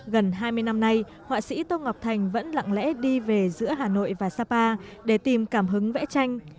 gần hai mươi năm nay họa sĩ tô ngọc thành vẫn lặng lẽ đi về giữa hà nội và sapa để tìm cảm hứng vẽ tranh